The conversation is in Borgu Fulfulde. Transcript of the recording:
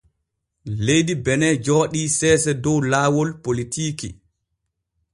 Leydi Bene jooɗii seese dow laawol politiiki.